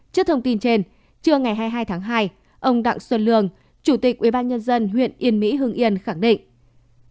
trước thông tin trên trưa ngày hai mươi hai tháng hai ông đặng xuân lương chủ tịch ubnd huyện yên mỹ hương yên khẳng định